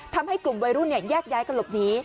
ทำให้กลุ่มวัยรุ่นแยกย้ายกันหลบหนี